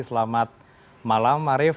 selamat malam arief